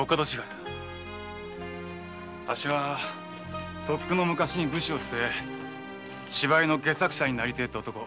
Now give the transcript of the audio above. あっしはとっくの昔に武士を棄て芝居の戯作者になりたいって男。